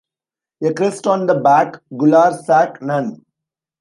A crest on the back; gular sac: none.